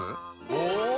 お！